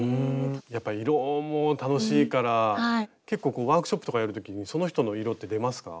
やっぱ色も楽しいから結構ワークショップとかやる時にその人の色って出ますか？